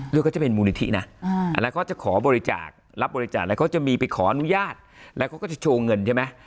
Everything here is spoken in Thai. แล้วก็จะเป็นมูลนิธินะแล้วเขาจะขอบริจาครับบริจาคแล้วเขาจะมีไปขออนุญาตแล้วเขาก็จะโชว์เงินใช่ไหม